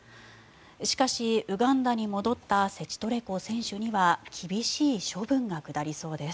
しかし、ウガンダに戻ったセチトレコ選手には厳しい処分が下りそうです。